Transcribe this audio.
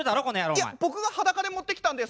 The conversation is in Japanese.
いや僕が裸で持ってきたんです。